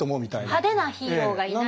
派手なヒーローがいない。